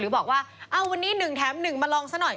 หรือบอกว่าวันนี้หนึ่งแถมหนึ่งมาลองซักหน่อย